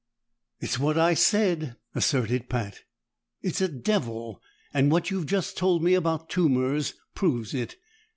"It's what I said," asserted Pat. "It's a devil, and what you've just told me about tumors proves it.